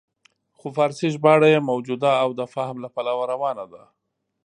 خو فارسي ژباړه یې موجوده او د فهم له پلوه روانه ده.